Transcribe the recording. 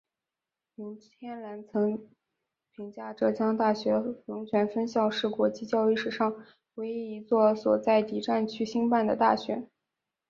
林天兰曾评价浙江大学龙泉分校是国际教育史上唯一一所在敌战区兴办的大学。